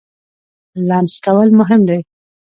لمس کول مهم دی.